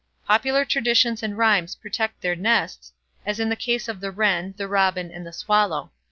Popular traditions and rhymes protect their nests, as in the case of the wren, the robin, and the swallow.